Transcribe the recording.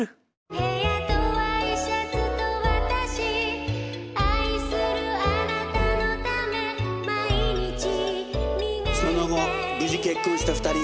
「部屋とＹシャツと私愛するあなたのため」「毎日磨いて」その後無事結婚した２人。